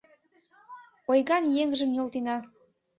Ойган еҥжым нӧлтена.